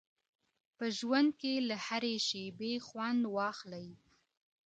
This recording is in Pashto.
په ژوند کي له هرې شیبې خوند واخلئ.